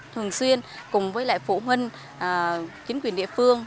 thường xuyên cùng với lại phụ huynh chính quyền địa phương